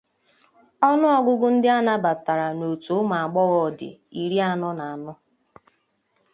ọnụọgụgụ ndị a nabatara n'otu ụmụagbọghọ dị iri anọ na anọ